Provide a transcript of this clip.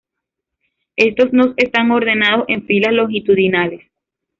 Estos no están ordenados en filas longitudinales.